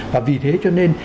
và vì thế cho nên